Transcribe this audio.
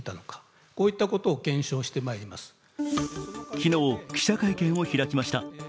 昨日、記者会見を開きました。